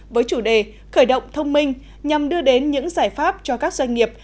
với chủ đề khởi động thông minh nhằm đưa đến những giải pháp cho các doanh nghiệp